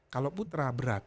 kalau putra berat